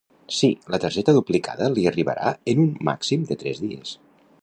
Sí, la targeta duplicada li arribarà en un màxim de tres dies.